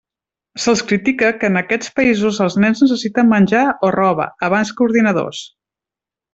Se'ls critica que en aquests països els nens necessiten menjar o roba, abans que ordinadors.